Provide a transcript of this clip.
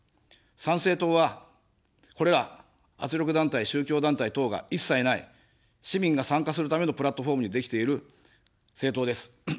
参政党は、これら圧力団体、宗教団体等が一切ない、市民が参加するためのプラットフォームにできている政党です。